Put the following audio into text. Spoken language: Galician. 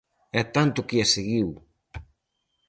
E tanto que a seguiu.